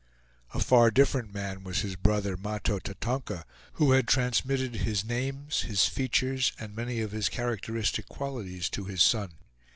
A far different man was his brother, Mahto Tatonka, who had transmitted his names, his features, and many of his characteristic qualities to his son.